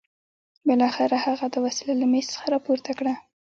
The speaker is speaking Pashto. بالاخره هغه دا وسيله له مېز څخه راپورته کړه.